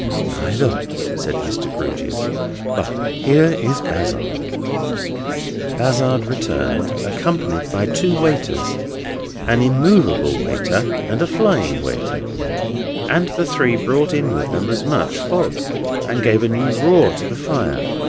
"Neither," said Mr. Grewgious. "But here is Bazzard." Bazzard returned, accompanied by two waiters—an immovable waiter, and a flying waiter; and the three brought in with them as much fog as gave a new roar to the fire.